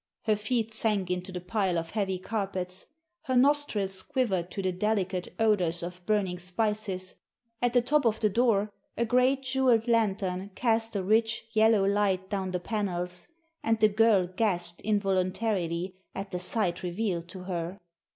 Her feet sank into the pile of heavy carpets; her nostrils quivered to the delicate odors of burning spices; at the top of the door a great jeweled lantern cast a rich, yellow light down the panels, and the girl gasped involuntarily at the sight revealed to her.